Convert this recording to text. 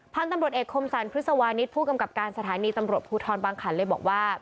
พันธุ์ตำรวจเอกคมสรรพฤษวานิสผู้กำกับการสถานีตำรวจภูทรบางขันเลยบอกว่า